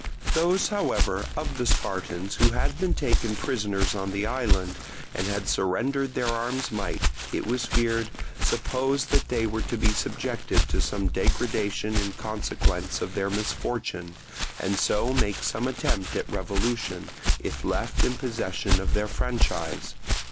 Those however of the Spartans who had been taken prisoners on the island and had surrendered their arms might, it was feared, suppose that they were to be subjected to some degradation in consequence of their misfortune, and so make some attempt at revolution, if left in possession of their franchise.